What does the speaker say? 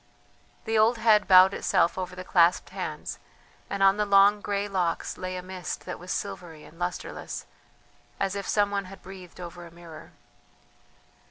The old head bowed itself over the clasped hands, and on the long grey locks lay a mist that was silvery and lustreless, as if some one had breathed over a mirror.